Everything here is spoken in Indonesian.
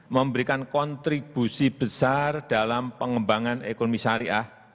memberikan kontribusi besar dalam pengembangan ekonomi syariah